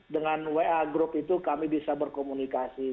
dengan wa group itu kami bisa berkomunikasi